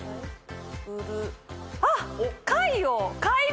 あっ！